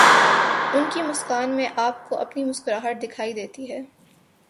ان کی مسکان میں آپ کو اپنی مسکراہٹ دکھائی دیتی ہے۔